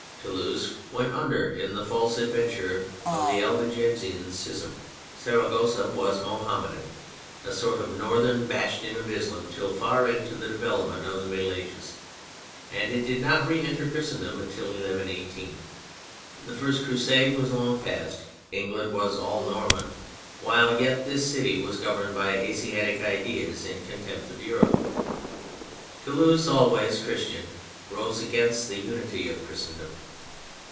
Toulouse went under in the false adventure of the Albigensian schism. Saragossa was Mohammedan, a sort of northern bastion of Islam, till far into the develop ment of the Middle Ages : it did not re enter Christendom till 1118. The First Crusade was long past, England was all Norman, while yet this city was governed by Asiatic ideas in contempt of Europe. Toulouse, always Christian, rose against the unity of Christendom.